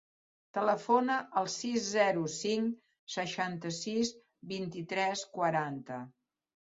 Telefona al sis, zero, cinc, seixanta-sis, vint-i-tres, quaranta.